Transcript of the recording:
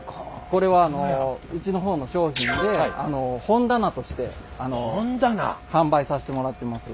これはうちの方の商品で本棚として販売させてもらってます。